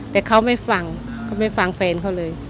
แต่เขาไม่ฟังเขาไม่ฟังแฟนเขาเลย